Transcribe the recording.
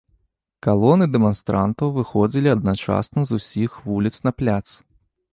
Калоны дэманстрантаў выходзілі адначасна з усіх вуліц на пляц.